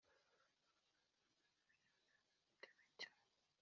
Rubabaza iteme Rudakukwa n’imitima,